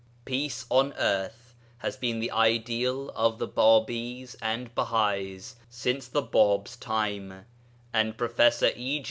Peace on earth has been the ideal of the Bābīs and Bahais since the Bābs time, and Professor E.